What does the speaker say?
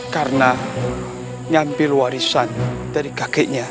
karena nyampil warisan dari kakeknya